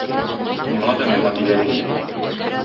Миңа да миңа, - диләр инде.